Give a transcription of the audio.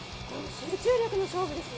集中力の勝負ですね。